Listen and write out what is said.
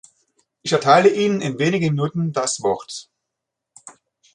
Ich erteile Ihnen in wenigen Minuten das Wort.